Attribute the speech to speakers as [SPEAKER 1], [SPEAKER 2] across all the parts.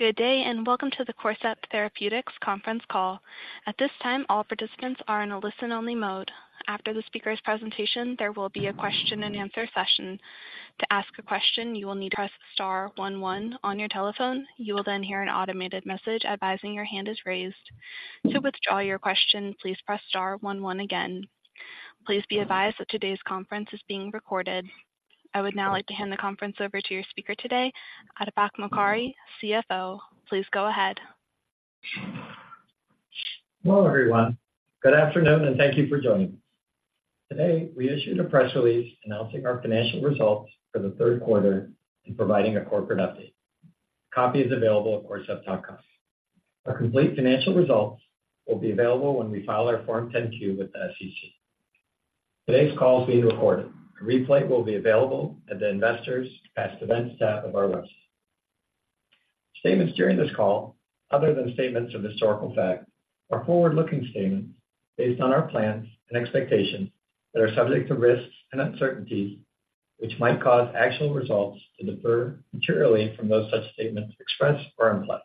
[SPEAKER 1] Good day, and welcome to the Corcept Therapeutics conference call. At this time, all participants are in a listen-only mode. After the speaker's presentation, there will be a question-and-answer session. To ask a question, you will need to press star one one on your telephone. You will then hear an automated message advising your hand is raised. To withdraw your question, please press star one one again. Please be advised that today's conference is being recorded. I would now like to hand the conference over to your speaker today, Atabak Mokari, CFO. Please go ahead.
[SPEAKER 2] Hello, everyone. Good afternoon, and thank you for joining. Today, we issued a press release announcing our financial results for the third quarter and providing a corporate update. Copy is available at corcept.com. Our complete financial results will be available when we file our Form 10-Q with the SEC. Today's call is being recorded. A replay will be available at the Investors Past Events tab of our website. Statements during this call, other than statements of historical fact, are forward-looking statements based on our plans and expectations that are subject to risks and uncertainties, which might cause actual results to differ materially from those such statements expressed or implied.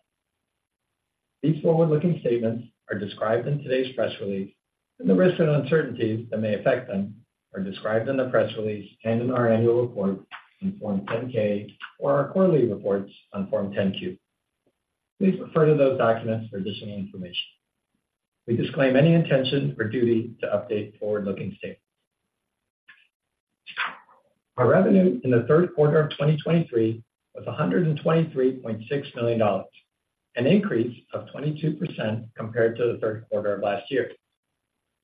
[SPEAKER 2] These forward-looking statements are described in today's press release, and the risks and uncertainties that may affect them are described in the press release and in our annual report in Form 10-K or our quarterly reports on Form 10-Q. Please refer to those documents for additional information. We disclaim any intention or duty to update forward-looking statements. Our revenue in the third quarter of 2023 was $123.6 million, an increase of 22% compared to the third quarter of last year.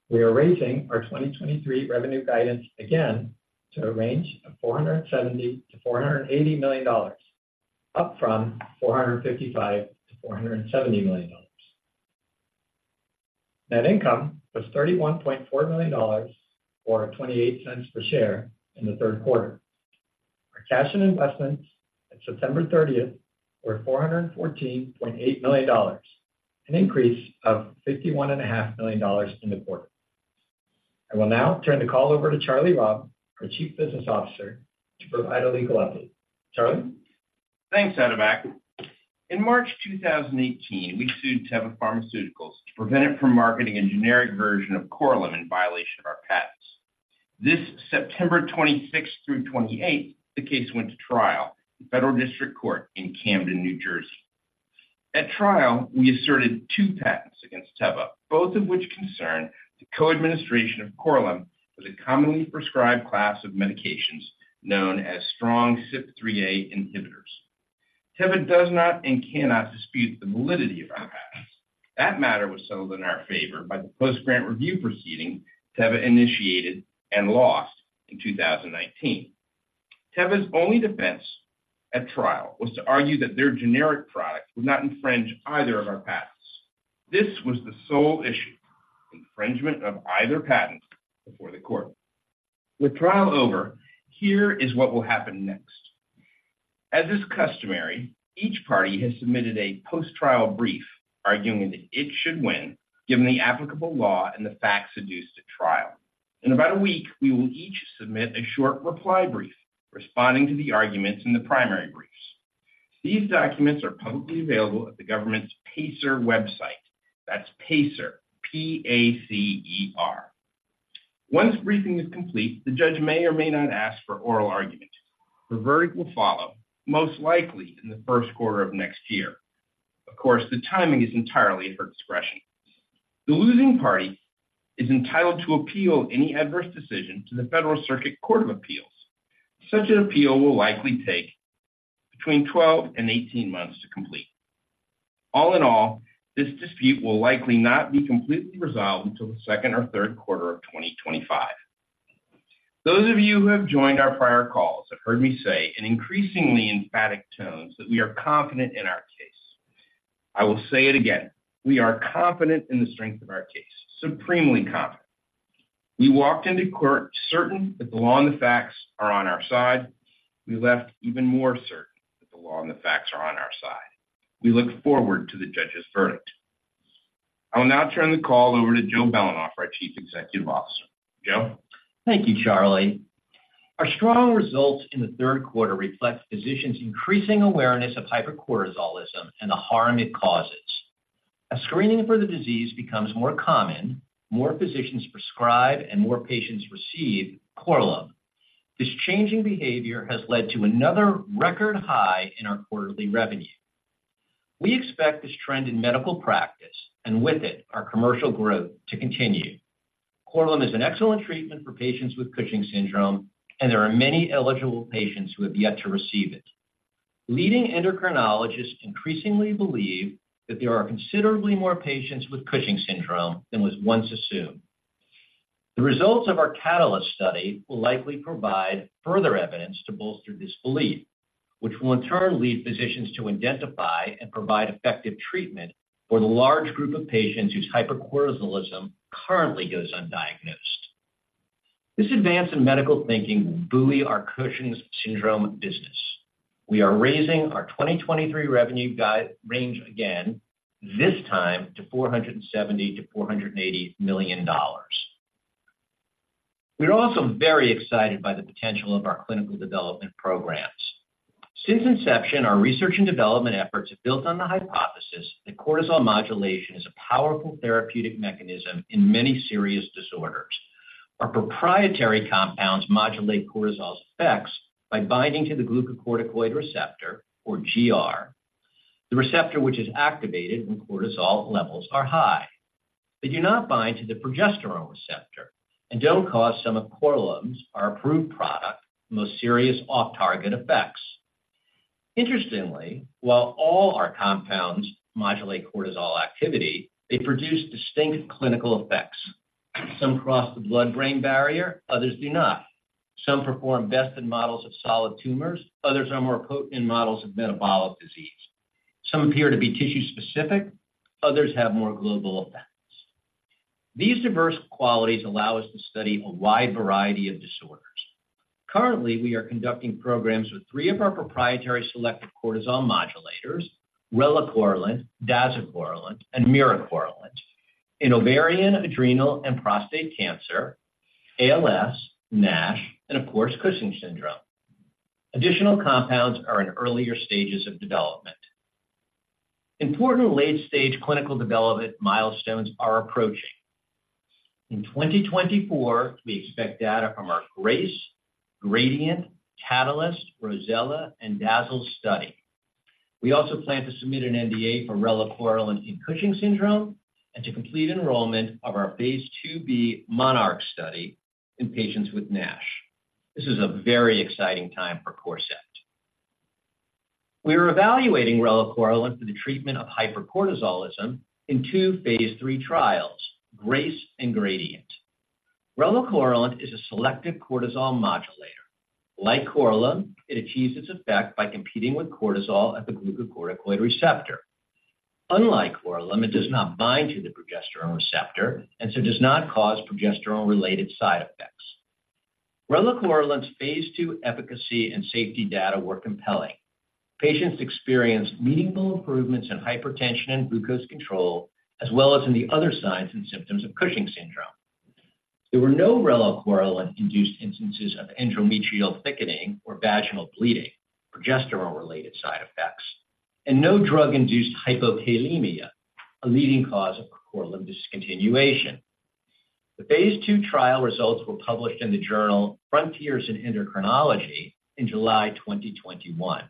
[SPEAKER 2] We are raising our 2023 revenue guidance again to a range of $470 million-$480 million, up from $455 million-$470 million. Net income was $31.4 million, or 28 cents per share in the third quarter. Our cash and investments at September 30th were $414.8 million, an increase of $51.5 million in the quarter. I will now turn the call over to Charlie Robb, our Chief Business Officer, to provide a legal update. Charlie?
[SPEAKER 3] Thanks, Atabak. In March 2018, we sued Teva Pharmaceuticals to prevent it from marketing a generic version of Korlym in violation of our patents. This September 26th through 28th, the case went to trial in Federal District Court in Camden, New Jersey. At trial, we asserted two patents against Teva, both of which concern the co-administration of Korlym with a commonly prescribed class of medications known as strong CYP3A inhibitors. Teva does not and cannot dispute the validity of our patents. That matter was settled in our favor by the post-grant review proceeding Teva initiated and lost in 2019. Teva's only defense at trial was to argue that their generic product would not infringe either of our patents. This was the sole issue, infringement of either patent before the court. With trial over, here is what will happen next. As is customary, each party has submitted a post-trial brief arguing that it should win, given the applicable law and the facts adduced at trial. In about a week, we will each submit a short reply brief responding to the arguments in the primary briefs. These documents are publicly available at the government's PACER website. That's PACER, P-A-C-E-R. Once briefing is complete, the judge may or may not ask for oral argument. The verdict will follow, most likely in the first quarter of next year. Of course, the timing is entirely at her discretion. The losing party is entitled to appeal any adverse decision to the Federal Circuit Court of Appeals. Such an appeal will likely take between 12 and 18 months to complete. All in all, this dispute will likely not be completely resolved until the second or third quarter of 2025. Those of you who have joined our prior calls have heard me say in increasingly emphatic tones, that we are confident in our case. I will say it again, we are confident in the strength of our case, supremely confident. We walked into court certain that the law and the facts are on our side. We left even more certain that the law and the facts are on our side. We look forward to the judge's verdict. I will now turn the call over to Joe Belanoff, our Chief Executive Officer. Joe?
[SPEAKER 4] Thank you, Charlie. Our strong results in the third quarter reflect physicians' increasing awareness of hypercortisolism and the harm it causes. As screening for the disease becomes more common, more physicians prescribe and more patients receive Korlym. This changing behavior has led to another record high in our quarterly revenue. We expect this trend in medical practice, and with it, our commercial growth to continue. Korlym is an excellent treatment for patients with Cushing's syndrome, and there are many eligible patients who have yet to receive it. Leading endocrinologists increasingly believe that there are considerably more patients with Cushing's syndrome than was once assumed. The results of our CATALYST study will likely provide further evidence to bolster this belief, which will in turn lead physicians to identify and provide effective treatment for the large group of patients whose hypercortisolism currently goes undiagnosed. This advance in medical thinking will buoy our Cushing's syndrome business. We are raising our 2023 revenue guidance range again, this time to $470 million-$480 million. We're also very excited by the potential of our clinical development programs. Since inception, our research and development efforts have built on the hypothesis that cortisol modulation is a powerful therapeutic mechanism in many serious disorders. Our proprietary compounds modulate cortisol's effects by binding to the glucocorticoid receptor, or GR, the receptor which is activated when cortisol levels are high. They do not bind to the progesterone receptor and don't cause some of Korlym, our approved product, most serious off-target effects. Interestingly, while all our compounds modulate cortisol activity, they produce distinct clinical effects. Some cross the blood-brain barrier, others do not. Some perform best in models of solid tumors, others are more potent in models of metabolic disease. Some appear to be tissue-specific, others have more global effects. These diverse qualities allow us to study a wide variety of disorders. Currently, we are conducting programs with three of our proprietary selective cortisol modulators, relacorilant, dazucorilant, and miricorilant, in ovarian, adrenal, and prostate cancer, ALS, NASH, and of course, Cushing's syndrome. Additional compounds are in earlier stages of development. Important late-stage clinical development milestones are approaching. In 2024, we expect data from our GRACE, GRADIENT, CATALYST, ROSELLA, and DAZZLE study. We also plan to submit an NDA for relacorilant in Cushing's syndrome and to complete enrollment of our phase IIb MONARCH study in patients with NASH. This is a very exciting time for Corcept. We are evaluating relacorilant for the treatment of hypercortisolism in two phase III trials, GRACE and GRADIENT. Relacorilant is a selective cortisol modulator. Like Korlym, it achieves its effect by competing with cortisol at the glucocorticoid receptor. Unlike Korlym, it does not bind to the progesterone receptor and so does not cause progesterone-related side effects. Relacorilant's Phase II efficacy and safety data were compelling. Patients experienced meaningful improvements in hypertension and glucose control, as well as in the other signs and symptoms of Cushing's syndrome. There were no relacorilant-induced instances of endometrial thickening or vaginal bleeding, progesterone-related side effects, and no drug-induced hypokalemia, a leading cause of Korlym discontinuation. The phase II trial results were published in the journal Frontiers in Endocrinology in July 2021.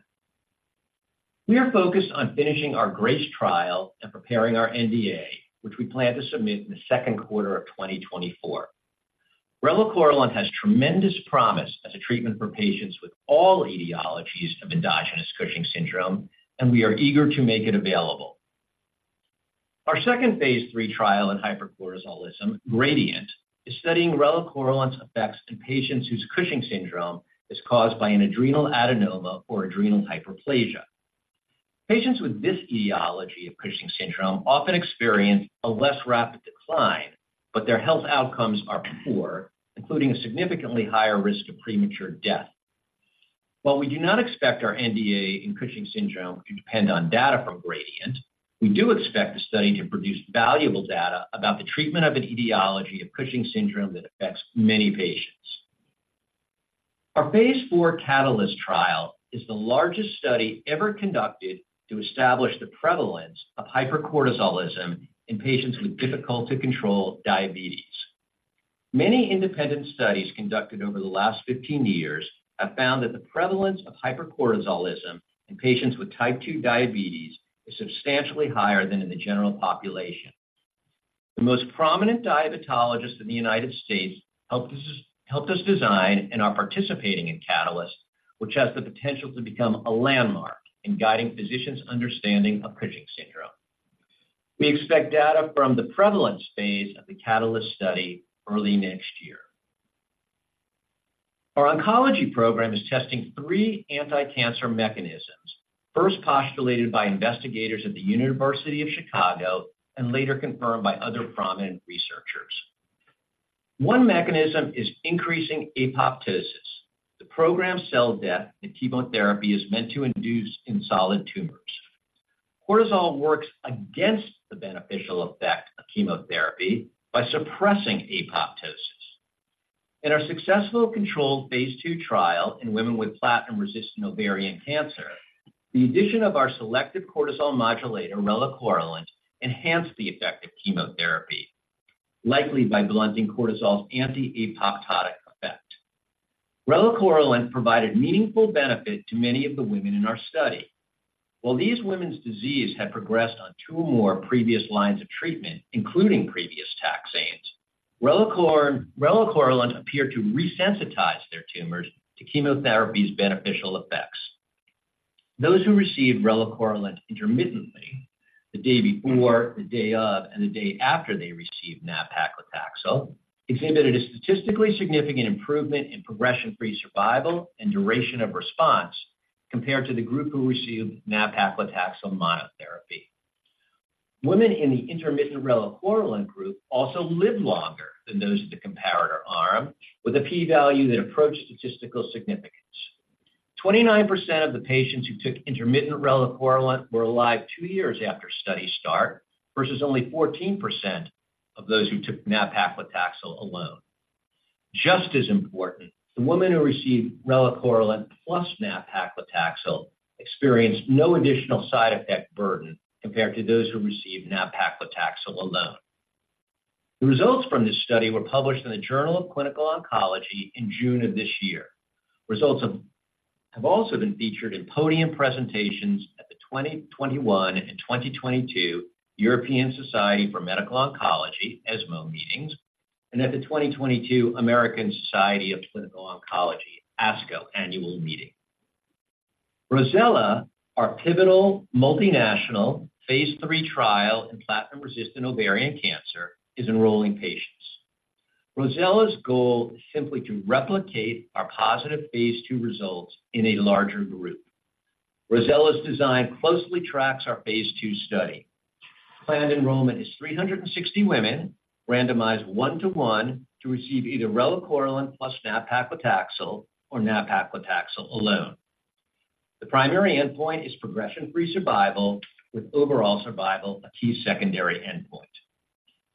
[SPEAKER 4] We are focused on finishing our GRACE trial and preparing our NDA, which we plan to submit in the second quarter of 2024. Relacorilant has tremendous promise as a treatment for patients with all etiologies of endogenous Cushing's syndrome, and we are eager to make it available. Our second Phase III trial in hypercortisolism, GRADIENT, is studying relacorilant's effects in patients whose Cushing's syndrome is caused by an adrenal adenoma or adrenal hyperplasia. Patients with this etiology of Cushing's syndrome often experience a less rapid decline, but their health outcomes are poor, including a significantly higher risk of premature death. While we do not expect our NDA in Cushing's syndrome to depend on data from GRADIENT, we do expect the study to produce valuable data about the treatment of an etiology of Cushing's syndrome that affects many patients. Our phase IV CATALYST trial is the largest study ever conducted to establish the prevalence of hypercortisolism in patients with difficult-to-control diabetes. Many independent studies conducted over the last 15 years have found that the prevalence of hypercortisolism in patients with Type 2 diabetes is substantially higher than in the general population. The most prominent diabetologists in the United States helped us, helped us design and are participating in CATALYST, which has the potential to become a landmark in guiding physicians' understanding of Cushing's syndrome. We expect data from the prevalence phase of the CATALYST study early next year. Our oncology program is testing three anti-cancer mechanisms, first postulated by investigators at the University of Chicago and later confirmed by other prominent researchers. One mechanism is increasing apoptosis. The programmed cell death and chemotherapy is meant to induce in solid tumors. Cortisol works against the beneficial effect of chemotherapy by suppressing apoptosis. In our successful controlled phase II trial in women with platinum-resistant ovarian cancer, the addition of our selective cortisol modulator, relacorilant, enhanced the effect of chemotherapy, likely by blunting cortisol's anti-apoptotic effect. Relacorilant provided meaningful benefit to many of the women in our study. While these women's disease had progressed on two or more previous lines of treatment, including previous taxanes, relacorilant appeared to resensitize their tumors to chemotherapy's beneficial effects. Those who received relacorilant intermittently, the day before, the day of, and the day after they received nab-paclitaxel, exhibited a statistically significant improvement in progression-free survival and duration of response compared to the group who received nab-paclitaxel monotherapy. Women in the intermittent relacorilant group also lived longer than those in the comparator arm, with a P-value that approached statistical significance. 29% of the patients who took intermittent relacorilant were alive two years after study start, versus only 14% of those who took nab-paclitaxel alone. Just as important, the women who received relacorilant plus nab-paclitaxel experienced no additional side effect burden compared to those who received nab-paclitaxel alone. The results from this study were published in the Journal of Clinical Oncology in June of this year. Results have also been featured in podium presentations at the 2021 and 2022 European Society for Medical Oncology (ESMO) meetings, and at the 2022 American Society of Clinical Oncology (ASCO) annual meeting. ROSELLA, our pivotal multinational phase III trial in platinum-resistant ovarian cancer, is enrolling patients. ROSELLA's goal is simply to replicate our positive phase II results in a larger group. ROSELLA's design closely tracks our phase II study. Planned enrollment is 360 women, randomized 1:1 to receive either relacorilant plus nab-paclitaxel or nab-paclitaxel alone. The primary endpoint is progression-free survival, with overall survival a key secondary endpoint.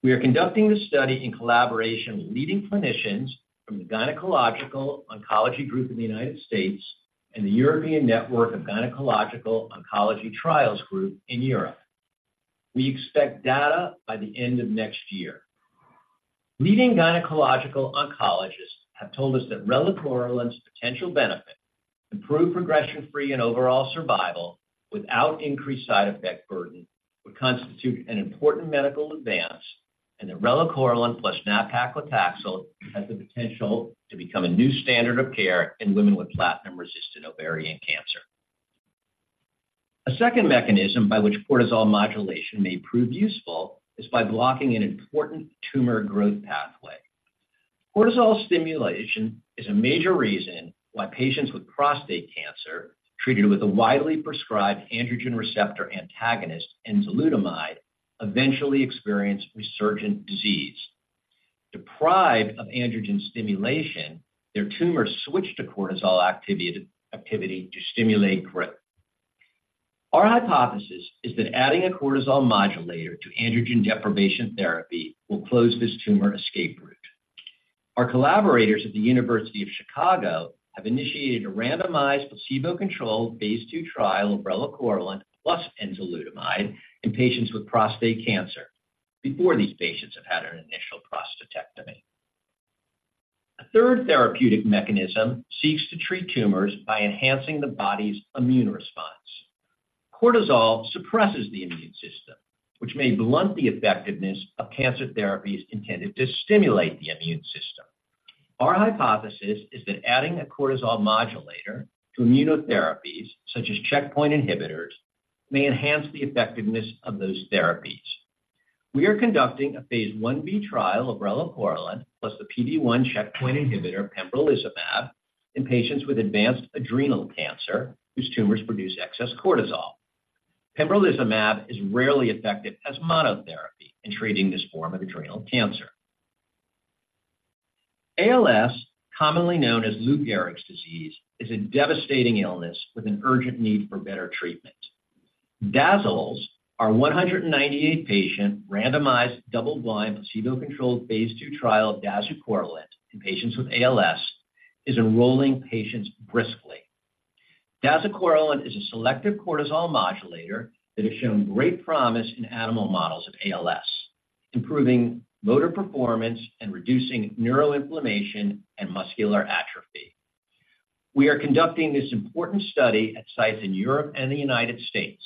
[SPEAKER 4] We are conducting this study in collaboration with leading clinicians from the Gynecologic Oncology Group in the United States and the European Network of Gynecological Oncological Trial Groups in Europe. We expect data by the end of next year. Leading gynecological oncologists have told us that relacorilant's potential benefit, improved progression-free and overall survival without increased side effect burden, would constitute an important medical advance, and that relacorilant plus nab-paclitaxel has the potential to become a new standard of care in women with platinum-resistant ovarian cancer. A second mechanism by which cortisol modulation may prove useful is by blocking an important tumor growth pathway. Cortisol stimulation is a major reason why patients with prostate cancer, treated with a widely prescribed androgen receptor antagonist, enzalutamide, eventually experience resurgent disease. Deprived of androgen stimulation, their tumors switch to cortisol activity, activity to stimulate growth. Our hypothesis is that adding a cortisol modulator to androgen deprivation therapy will close this tumor escape route. Our collaborators at the University of Chicago have initiated a randomized, placebo-controlled phase II trial of relacorilant plus enzalutamide in patients with prostate cancer before these patients have had an initial prostatectomy. A third therapeutic mechanism seeks to treat tumors by enhancing the body's immune response. Cortisol suppresses the immune system, which may blunt the effectiveness of cancer therapies intended to stimulate the immune system. Our hypothesis is that adding a cortisol modulator to immunotherapies, such as checkpoint inhibitors, may enhance the effectiveness of those therapies. We are conducting a phase Ib trial of relacorilant, plus the PD-1 checkpoint inhibitor, pembrolizumab, in patients with advanced adrenal cancer, whose tumors produce excess cortisol. Pembrolizumab is rarely effective as monotherapy in treating this form of adrenal cancer. ALS, commonly known as Lou Gehrig's disease, is a devastating illness with an urgent need for better treatment. DAZZLE, a 198-patient, randomized, double-blind, placebo-controlled phase II trial of dazucorilant in patients with ALS, is enrolling patients briskly. Dazucorilant is a selective cortisol modulator that has shown great promise in animal models of ALS, improving motor performance and reducing neural inflammation and muscular atrophy. We are conducting this important study at sites in Europe and the United States.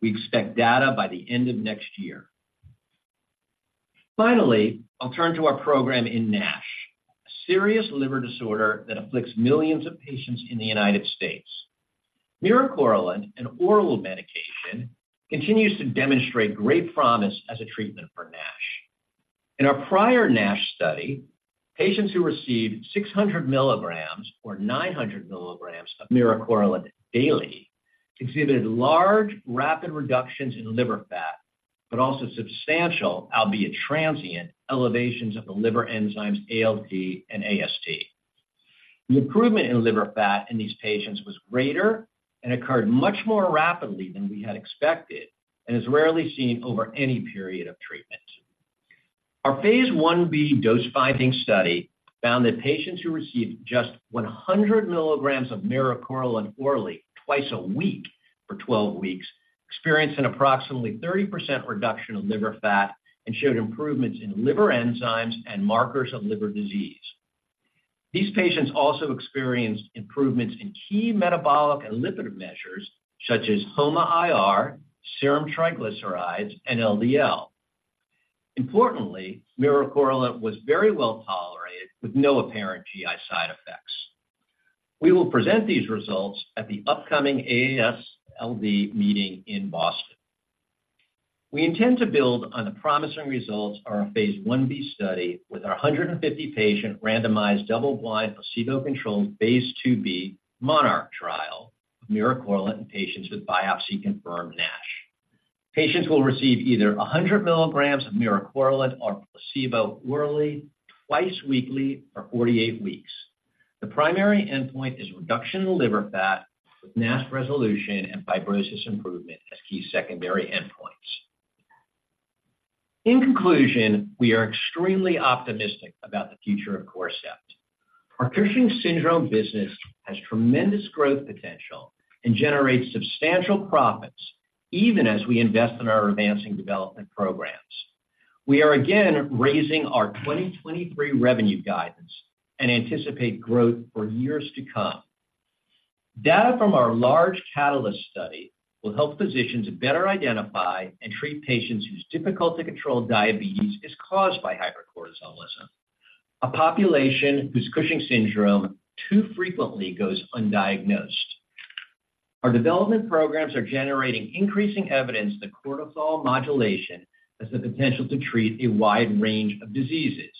[SPEAKER 4] We expect data by the end of next year. Finally, I'll turn to our program in NASH, a serious liver disorder that afflicts millions of patients in the United States. Miricorilant, an oral medication, continues to demonstrate great promise as a treatment for NASH. In our prior NASH study, patients who received 600 milligrams or 900 milligrams of miricorilant daily exhibited large, rapid reductions in liver fat, but also substantial, albeit transient, elevations of the liver enzymes ALT and AST. The improvement in liver fat in these patients was greater and occurred much more rapidly than we had expected, and is rarely seen over any period of treatment. Our phase Ib dose-finding study found that patients who received just 100 milligrams of miricorilant orally twice a week for 12 weeks, experienced an approximately 30% reduction of liver fat and showed improvements in liver enzymes and markers of liver disease. These patients also experienced improvements in key metabolic and lipid measures such as HOMA-IR, serum triglycerides, and LDL. Importantly, miricorilant was very well tolerated with no apparent GI side effects. We will present these results at the upcoming AASLD meeting in Boston. We intend to build on the promising results of our phase Ib study with our 150-patient, randomized, double-blind, placebo-controlled phase IIb MONARCH trial of miricorilant in patients with biopsy-confirmed NASH. Patients will receive either 100 milligrams of miricorilant or placebo orally, twice weekly for 48 weeks. The primary endpoint is reduction in liver fat, with NASH resolution and fibrosis improvement as key secondary endpoints. In conclusion, we are extremely optimistic about the future of Corcept. Our Cushing's syndrome business has tremendous growth potential and generates substantial profits, even as we invest in our advancing development programs. We are again raising our 2023 revenue guidance and anticipate growth for years to come. Data from our large CATALYST study will help physicians better identify and treat patients whose difficult-to-control diabetes is caused by hypercortisolism, a population whose Cushing's syndrome too frequently goes undiagnosed. Our development programs are generating increasing evidence that cortisol modulation has the potential to treat a wide range of diseases.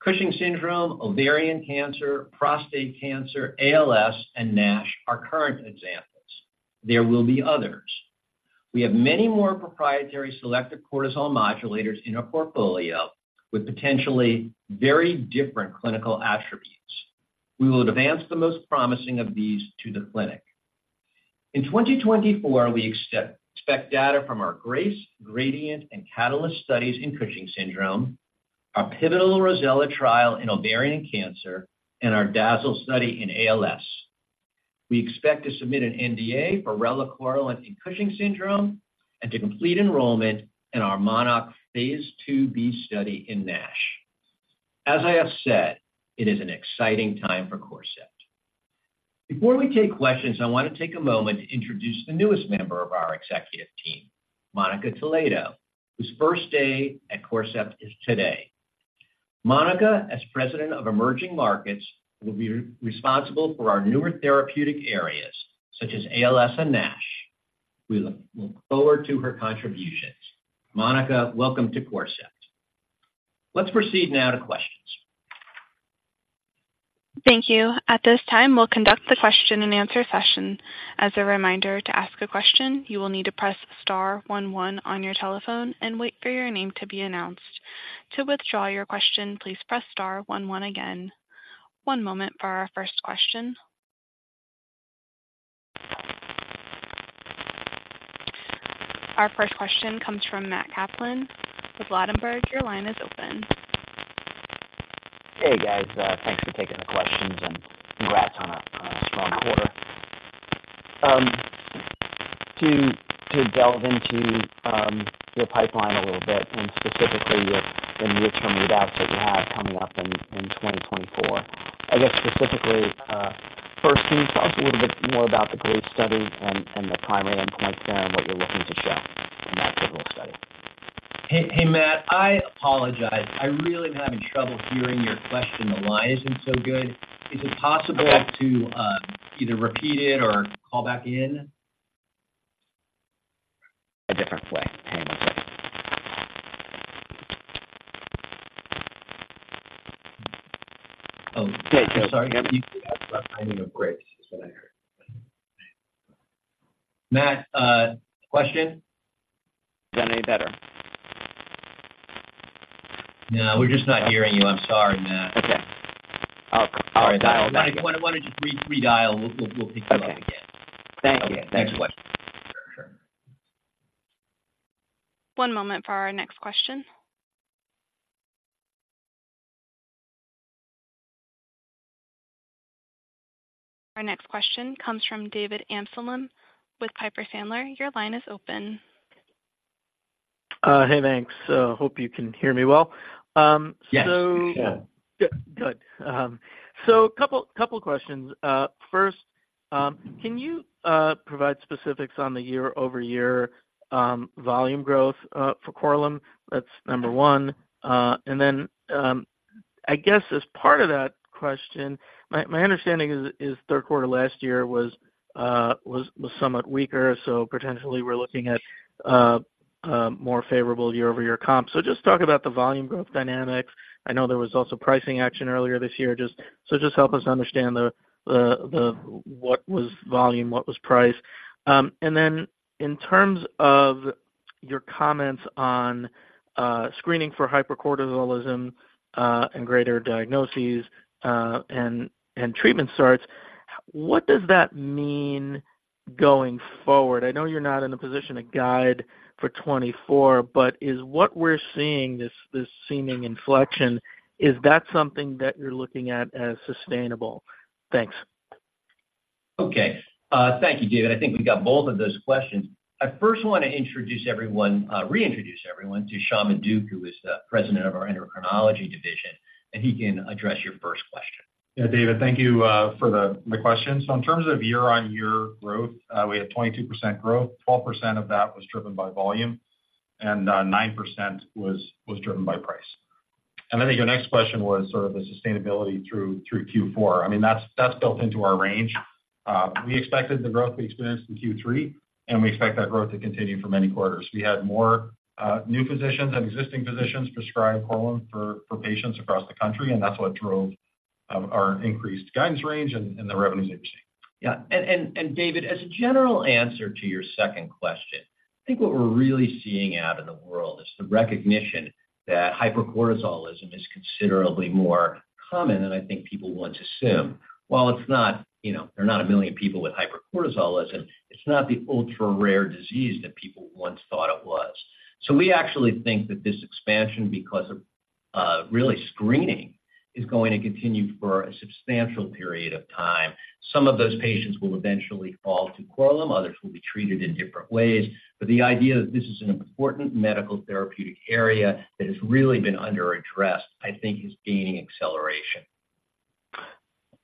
[SPEAKER 4] Cushing's syndrome, ovarian cancer, prostate cancer, ALS, and NASH are current examples. There will be others. We have many more proprietary selective cortisol modulators in our portfolio, with potentially very different clinical attributes. We will advance the most promising of these to the clinic. In 2024, we expect data from our GRACE, GRADIENT, and CATALYST studies in Cushing's syndrome, our pivotal ROSELLA trial in ovarian cancer, and our DAZZLE study in ALS. We expect to submit an NDA for relacorilant in Cushing's syndrome and to complete enrollment in our MONARCH phase IIb study in NASH. As I have said, it is an exciting time for Corcept. Before we take questions, I want to take a moment to introduce the newest member of our executive team, Monica Toledo, whose first day at Corcept is today. Monica, as President of Emerging Markets, will be responsible for our newer therapeutic areas, such as ALS and NASH. We look forward to her contributions. Monica, welcome to Corcept. Let's proceed now to questions.
[SPEAKER 1] Thank you. At this time, we'll conduct the question-and-answer session. As a reminder, to ask a question, you will need to press star one one on your telephone and wait for your name to be announced. To withdraw your question, please press star one one again. One moment for our first question. Our first question comes from Matt Kaplan with Ladenburg. Your line is open.
[SPEAKER 5] Hey, guys, thanks for taking the questions and congrats on a strong quarter. To delve into your pipeline a little bit and specifically within the intermediate outcomes that you have coming up in 2024. I guess specifically, first, can you talk a little bit more about the GRACE study and the primary endpoints there and what you're looking to show in that clinical study?
[SPEAKER 4] Hey, hey, Matt, I apologize. I really am having trouble hearing your question. The line isn't so good. Is it possible to either repeat it or call back in?
[SPEAKER 5] A different way. Hang on a second.
[SPEAKER 4] Oh, sorry. Again, timing of GRACE is what I heard. Matt, question?
[SPEAKER 5] Is that any better?
[SPEAKER 4] No, we're just not hearing you. I'm sorry, Matt.
[SPEAKER 5] Okay. I'll dial back in.
[SPEAKER 4] Why don't you redial? We'll pick you up again.
[SPEAKER 5] Thank you. Thanks so much.
[SPEAKER 4] Sure.
[SPEAKER 1] One moment for our next question. Our next question comes from David Amsellem with Piper Sandler. Your line is open.
[SPEAKER 6] Hey, thanks. Hope you can hear me well.
[SPEAKER 4] Yes, we can.
[SPEAKER 6] Good. So a couple questions. First, can you provide specifics on the year-over-year volume growth for Korlym? That's number one. And then, I guess as part of that question, my understanding is third quarter last year was somewhat weaker, so potentially we're looking at more favorable year-over-year comp. So just talk about the volume growth dynamics. I know there was also pricing action earlier this year. So just help us understand what was volume, what was price. And then in terms of your comments on screening for hypercortisolism and greater diagnoses and treatment starts, what does that mean going forward? I know you're not in a position to guide for 2024, but is what we're seeing, this, this seeming inflection, is that something that you're looking at as sustainable? Thanks.
[SPEAKER 4] Okay. Thank you, David. I think we got both of those questions. I first want to introduce everyone, reintroduce everyone to Sean Maduck, who is the President of our Endocrinology division, and he can address your first question.
[SPEAKER 7] Yeah, David, thank you for the question. So in terms of year-on-year growth, we had 22% growth. 12% of that was driven by volume, and 9% was driven by price. And I think your next question was sort of the sustainability through Q4. I mean, that's built into our range. We expected the growth we experienced in Q3, and we expect that growth to continue for many quarters. We had more new physicians and existing physicians prescribe Korlym for patients across the country, and that's what drove of our increased guidance range and the revenues have changed.
[SPEAKER 4] Yeah, and David, as a general answer to your second question, I think what we're really seeing out in the world is the recognition that hypercortisolism is considerably more common than I think people want to assume. While it's not, you know, there are not a million people with hypercortisolism, it's not the ultra-rare disease that people once thought it was. So we actually think that this expansion, because of really screening, is going to continue for a substantial period of time. Some of those patients will eventually fall to Korlym, others will be treated in different ways. But the idea that this is an important medical therapeutic area that has really been underaddressed, I think is gaining acceleration.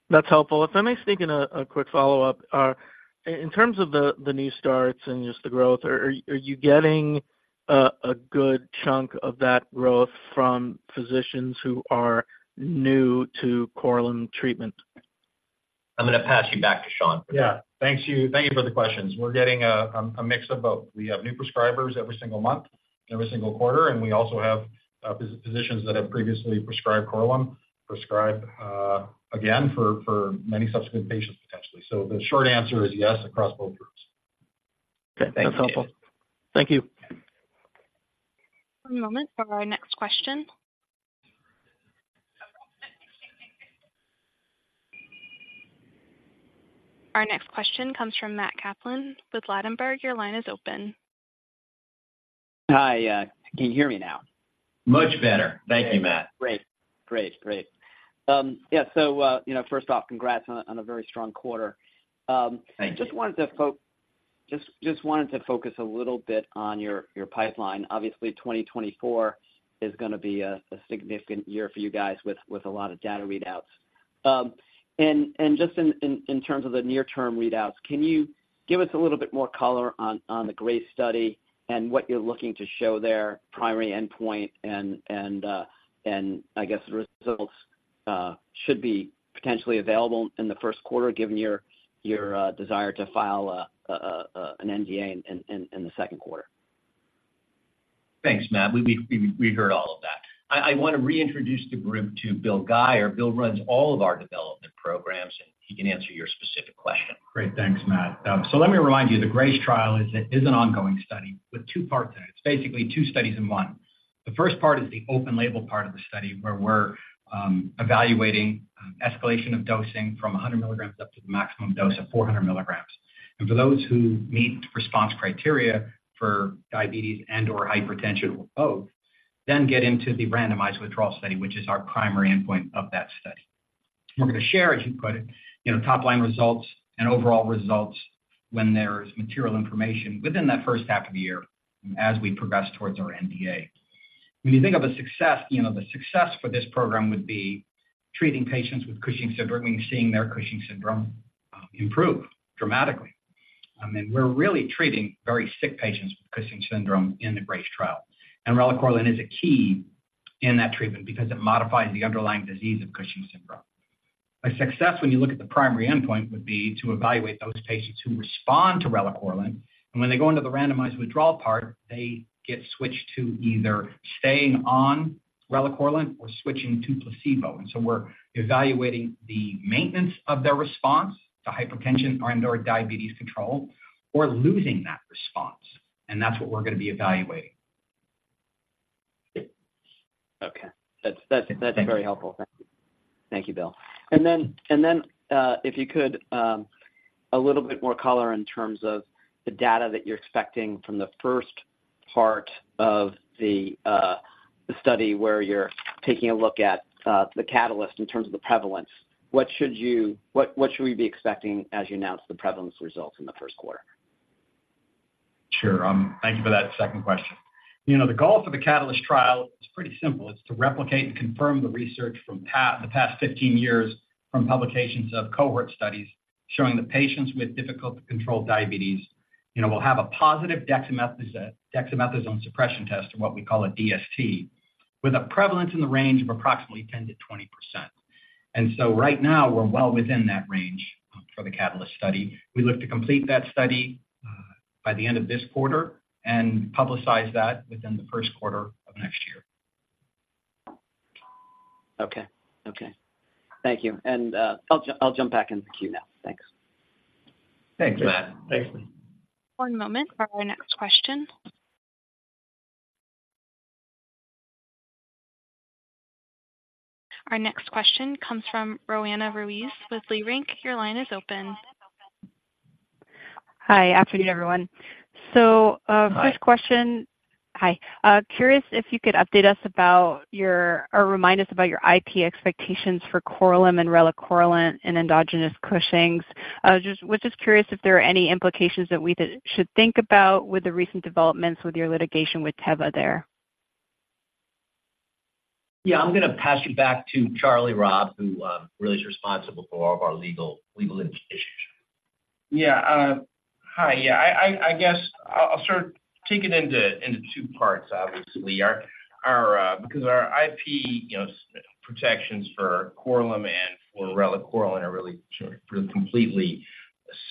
[SPEAKER 6] That's helpful. If I may sneak in a quick follow-up. In terms of the new starts and just the growth, are you getting a good chunk of that growth from physicians who are new to Korlym treatment?
[SPEAKER 4] I'm gonna pass you back to Sean.
[SPEAKER 7] Yeah. Thank you. Thank you for the questions. We're getting a mix of both. We have new prescribers every single month, every single quarter, and we also have physicians that have previously prescribed Korlym, prescribe again for many subsequent patients, potentially. So the short answer is yes, across both groups.
[SPEAKER 6] Okay, that's helpful.
[SPEAKER 4] Thank you.
[SPEAKER 6] Thank you.
[SPEAKER 1] One moment for our next question. Our next question comes from Matt Kaplan with Ladenburg. Your line is open.
[SPEAKER 8] Hi, can you hear me now?
[SPEAKER 4] Much better. Thank you, Matt.
[SPEAKER 8] Great. Great, great. Yeah, so, you know, first off, congrats on a, on a very strong quarter.
[SPEAKER 4] Thank you.
[SPEAKER 8] Just wanted to focus a little bit on your pipeline. Obviously, 2024 is gonna be a significant year for you guys with a lot of data readouts. And just in terms of the near-term readouts, can you give us a little bit more color on the GRACE study and what you're looking to show there, primary endpoint and I guess the results should be potentially available in the first quarter, given your desire to file an NDA in the second quarter?
[SPEAKER 4] Thanks, Matt. We heard all of that. I wanna reintroduce the group to Bill Guyer. Bill runs all of our development programs, and he can answer your specific question.
[SPEAKER 9] Great. Thanks, Matt. So let me remind you, the GRACE trial is an ongoing study with two parts in it. It's basically two studies in one. The first part is the open label part of the study, where we're evaluating escalation of dosing from 100 milligrams up to the maximum dose of 400 milligrams. And for those who meet response criteria for diabetes and/or hypertension or both, then get into the randomized withdrawal study, which is our primary endpoint of that study. We're gonna share, as you put it, you know, top-line results and overall results when there is material information within that first half of the year as we progress towards our NDA. When you think of a success, you know, the success for this program would be treating patients with Cushing's syndrome, and we're seeing their Cushing's syndrome improve dramatically. I mean, we're really treating very sick patients with Cushing's syndrome in the GRACE trial. Relacorilant is a key in that treatment because it modifies the underlying disease of Cushing's syndrome. A success, when you look at the primary endpoint, would be to evaluate those patients who respond to relacorilant, and when they go into the randomized withdrawal part, they get switched to either staying on relacorilant or switching to placebo. And so we're evaluating the maintenance of their response to hypertension and/or diabetes control or losing that response, and that's what we're gonna be evaluating.
[SPEAKER 8] Okay. That's very helpful.
[SPEAKER 9] Thank you.
[SPEAKER 8] Thank you, Bill. And then, if you could, a little bit more color in terms of the data that you're expecting from the first part of the study, where you're taking a look at the CATALYST in terms of the prevalence. What should we be expecting as you announce the prevalence results in the first quarter?
[SPEAKER 9] Sure. Thank you for that second question. You know, the goal for the CATALYST trial is pretty simple. It's to replicate and confirm the research from the past 15 years from publications of cohort studies, showing that patients with difficult-to-control diabetes, you know, will have a positive dexamethasone suppression test, or what we call a DST, with a prevalence in the range of approximately 10%-20%. And so right now, we're well within that range for the CATALYST study. We look to complete that study by the end of this quarter and publicize that within the first quarter of next year.
[SPEAKER 8] Okay. Okay. Thank you, and I'll jump back in the queue now. Thanks.
[SPEAKER 4] Thanks, Matt.
[SPEAKER 9] Thanks.
[SPEAKER 1] One moment for our next question. Our next question comes from Roanna Ruiz with Leerink. Your line is open.
[SPEAKER 10] Hi, afternoon, everyone. So,
[SPEAKER 4] Hi.
[SPEAKER 10] First question. Hi, curious if you could update us about your—or remind us about your IP expectations for Korlym and relacorilant and endogenous Cushing's. I was just curious if there are any implications that we should think about with the recent developments with your litigation with Teva there?
[SPEAKER 4] Yeah, I'm gonna pass you back to Charlie Robb, who really is responsible for all of our legal issues.
[SPEAKER 3] Yeah, hi. Yeah, I guess I'll sort of take it into two parts, obviously. Our IP, you know, protections for Korlym and for relacorilant are really completely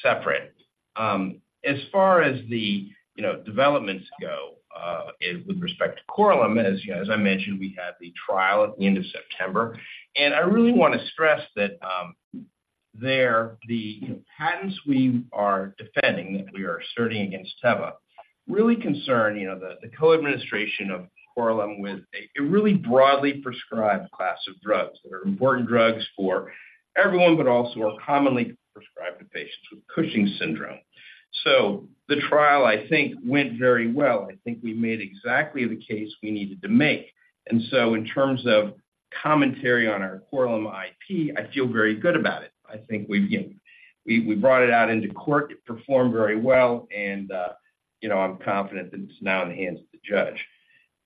[SPEAKER 3] separate. As far as the, you know, developments go, with respect to Korlym, as I mentioned, we have the trial at the end of September. And I really want to stress that, there, the patents we are defending, that we are asserting against Teva, really concern, you know, the, the co-administration of Korlym with a really broadly prescribed class of drugs that are important drugs for everyone, but also are commonly prescribed to patients with Cushing's syndrome. So the trial, I think, went very well. I think we made exactly the case we needed to make. In terms of commentary on our Korlym IP, I feel very good about it. I think we, again, we brought it out into court, it performed very well, and, you know, I'm confident that it's now in the hands of the judge.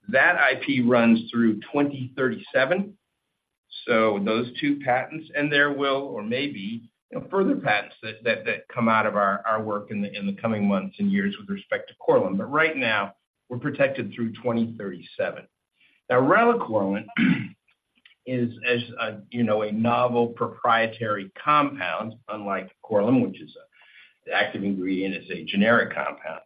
[SPEAKER 3] That IP runs through 2037, so those two patents, and there will or may be, you know, further patents that come out of our work in the coming months and years with respect to Korlym. But right now, we're protected through 2037. Now, relacorilant is, as a, you know, a novel proprietary compound, unlike Korlym, which is a-- the active ingredient is a generic compound.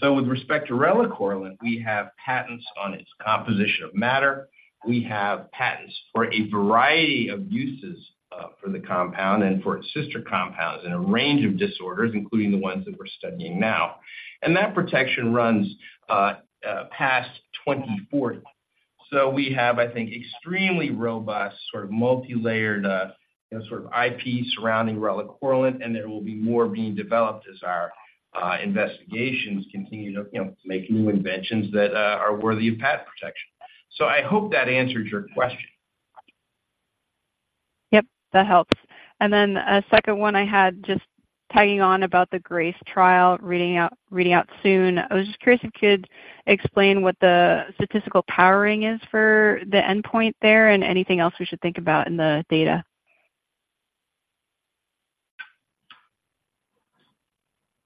[SPEAKER 3] So with respect to relacorilant, we have patents on its composition of matter. We have patents for a variety of uses, for the compound and for its sister compounds in a range of disorders, including the ones that we're studying now. That protection runs past 2040. We have, I think, extremely robust, sort of multilayered, you know, sort of IP surrounding relacorilant, and there will be more being developed as our investigations continue to, you know, make new inventions that are worthy of patent protection. I hope that answers your question.
[SPEAKER 10] Yep, that helps. And then a second one I had, just tagging on about the GRACE trial, reading out, reading out soon. I was just curious if you could explain what the statistical powering is for the endpoint there and anything else we should think about in the data?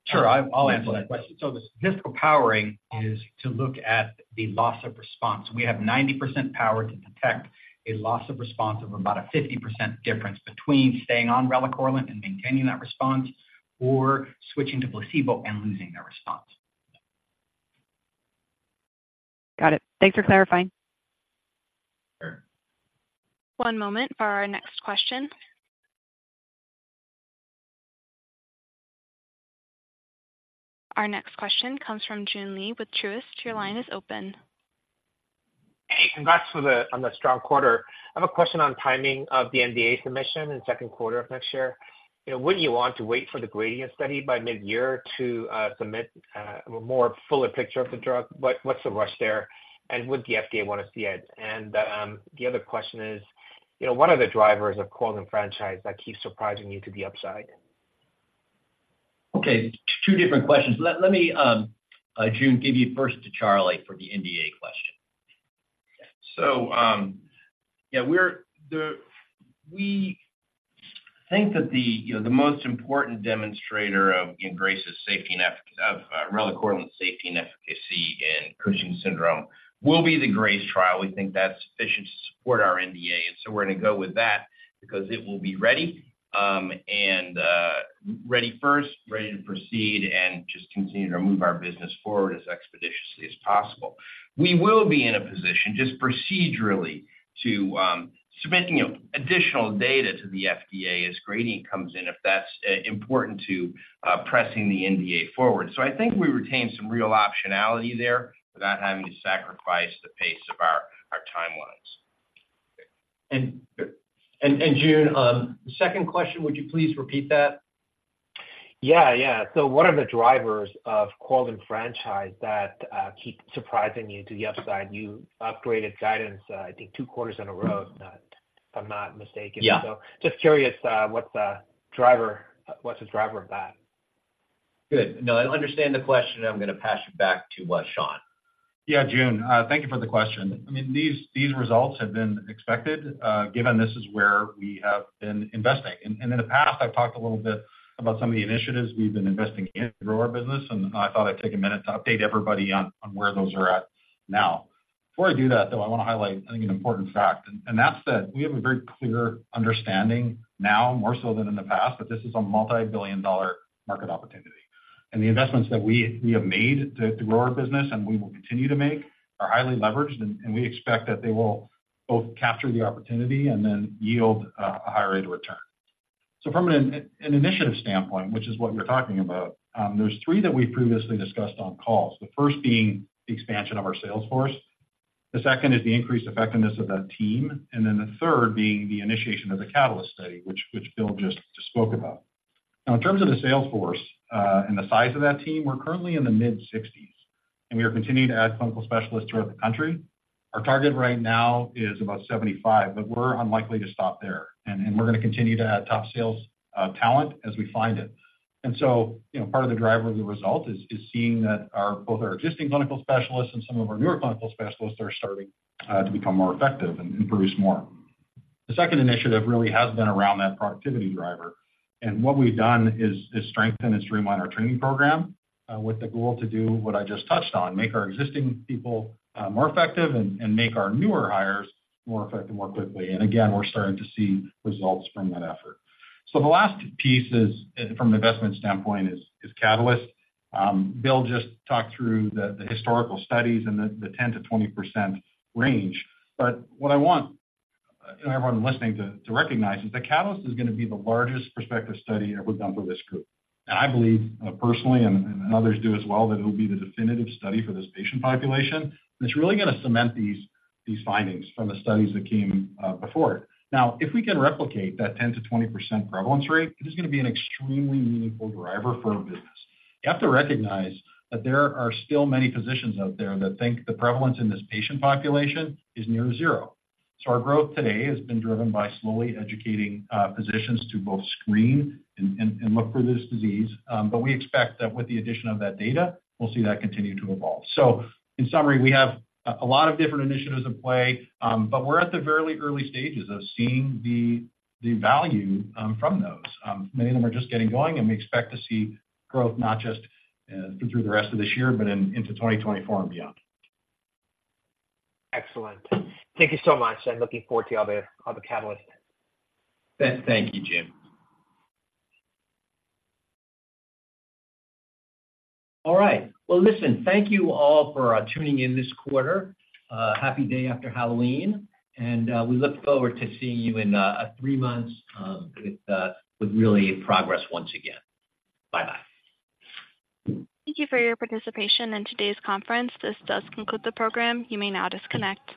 [SPEAKER 4] Sure. I'll answer that question. So the statistical powering is to look at the loss of response. We have 90% power to detect a loss of response of about a 50% difference between staying on relacorilant and maintaining that response or switching to placebo and losing that response.
[SPEAKER 10] Got it. Thanks for clarifying.
[SPEAKER 4] Sure.
[SPEAKER 1] One moment for our next question. Our next question comes from Joon Lee with Truist. Your line is open.
[SPEAKER 11] Hey, congrats on the strong quarter. I have a question on timing of the NDA submission in the second quarter of next year. You know, wouldn't you want to wait for the GRADIENT study by mid-year to submit a more fuller picture of the drug? What's the rush there, and would the FDA want to see it? The other question is, you know, what are the drivers of Korlym franchise that keeps surprising you to the upside?
[SPEAKER 4] Okay, two different questions. Let me, Joon, give you first to Charlie for the NDA question.
[SPEAKER 3] So, yeah, we think that the, you know, the most important demonstrator of relacorilant's safety and efficacy in Cushing's syndrome will be the GRACE trial. We think that's sufficient to support our NDA, and so we're going to go with that because it will be ready, and ready first, ready to proceed, and just continue to move our business forward as expeditiously as possible. We will be in a position, just procedurally, to submitting, you know, additional data to the FDA as GRADIENT comes in, if that's important to pressing the NDA forward. So I think we retain some real optionality there without having to sacrifice the pace of our timelines.
[SPEAKER 4] June, the second question, would you please repeat that?
[SPEAKER 11] Yeah, yeah. So what are the drivers of Korlym franchise that keep surprising you to the upside? You upgraded guidance, I think two quarters in a row, if not, if I'm not mistaken.
[SPEAKER 4] Yeah.
[SPEAKER 11] Just curious, what's the driver, what's the driver of that?
[SPEAKER 4] Good. No, I understand the question. I'm going to pass you back to Sean.
[SPEAKER 7] Yeah, June, thank you for the question. I mean, these results have been expected, given this is where we have been investing. In the past, I've talked a little bit about some of the initiatives we've been investing in to grow our business, and I thought I'd take a minute to update everybody on where those are at now. Before I do that, though, I want to highlight, I think, an important fact, and that's that we have a very clear understanding now, more so than in the past, that this is a multi-billion-dollar market opportunity. The investments that we have made to grow our business, and we will continue to make, are highly leveraged, and we expect that they will both capture the opportunity and then yield a higher rate of return. So from an initiative standpoint, which is what you're talking about, there are three that we've previously discussed on calls. The first being the expansion of our sales force, the second is the increased effectiveness of that team, and then the third being the initiation of the CATALYST study, which Bill just spoke about. Now, in terms of the sales force, and the size of that team, we're currently in the mid-60s, and we are continuing to add clinical specialists throughout the country. Our target right now is about 75, but we're unlikely to stop there, and we're going to continue to add top sales talent as we find it. And so, you know, part of the driver of the result is seeing that our both our existing clinical specialists and some of our newer clinical specialists are starting to become more effective and produce more. The second initiative really has been around that productivity driver, and what we've done is strengthen and streamline our training program with the goal to do what I just touched on, make our existing people more effective and make our newer hires more effective, more quickly. And again, we're starting to see results from that effort. So the last piece, from an investment standpoint, is Catalyst. Bill just talked through the historical studies and the 10%-20% range. But what I want everyone listening to, to recognize is that CATALYST is going to be the largest prospective study ever done for this group. And I believe, personally, and, and others do as well, that it'll be the definitive study for this patient population. It's really going to cement these, these findings from the studies that came before it. Now, if we can replicate that 10%-20% prevalence rate, it is going to be an extremely meaningful driver for our business. You have to recognize that there are still many physicians out there that think the prevalence in this patient population is near zero. So our growth today has been driven by slowly educating physicians to both screen and look for this disease. But we expect that with the addition of that data, we'll see that continue to evolve. So in summary, we have a lot of different initiatives in play, but we're at the very early stages of seeing the value from those. Many of them are just getting going, and we expect to see growth not just through the rest of this year, but into 2024 and beyond.
[SPEAKER 11] Excellent. Thank you so much, and looking forward to all the CATALYST.
[SPEAKER 4] Thank you, Joon. All right. Well, listen, thank you all for tuning in this quarter. Happy day after Halloween, and we look forward to seeing you in three months with really progress once again. Bye-bye.
[SPEAKER 1] Thank you for your participation in today's conference. This does conclude the program. You may now disconnect.